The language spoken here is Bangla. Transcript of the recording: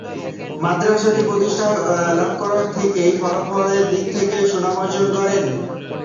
মাদ্রাসাটি প্রতিষ্ঠা লাভ করার পর থেকেই ফলাফলের দিক থেকে সুনাম অর্জন করেছে।